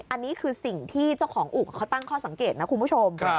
อันนี้คือสิ่งที่เจ้าของอู่เขาตั้งข้อสังเกตนะคุณผู้ชม